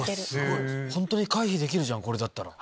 本当に回避できるじゃんこれだったら。